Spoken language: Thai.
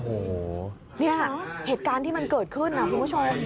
โอ้โหเนี่ยเหตุการณ์ที่มันเกิดขึ้นนะคุณผู้ชม